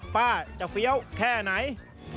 ป้าจะเฟี้ยวแค่ไหน